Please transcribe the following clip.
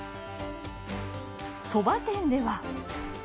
そば店では。